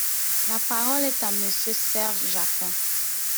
La parole est à Monsieur Serge Janquin.